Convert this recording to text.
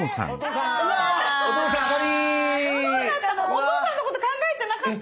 お父さんのこと考えてなかった！